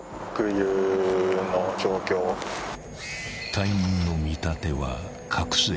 ［隊員の見立ては］